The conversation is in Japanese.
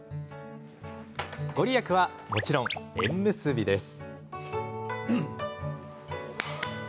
御利益はもちろん、縁結びです。